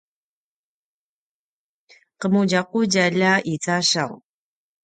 qemudjaqudjalj a i casaw